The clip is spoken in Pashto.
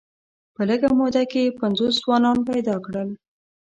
په لږه موده کې یې پنځوس ځوانان پیدا کړل.